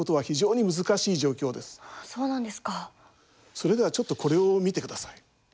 それではちょっとこれを見てください。